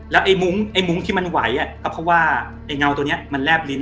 แล้วไอ้มุ้งไอ้มุ้งที่มันไหวก็เพราะว่าไอ้เงาตัวนี้มันแลบลิ้น